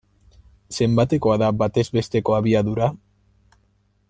Zenbatekoa da batez besteko abiadura?